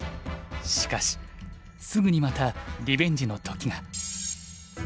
しかしすぐにまたリベンジの時が。